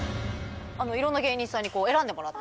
いろんな芸人さんに選んでもらった。